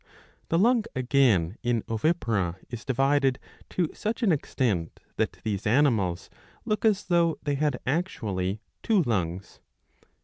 The lung again in ovipara is divided to such an extent, that these animals look as though they had actually two lungs.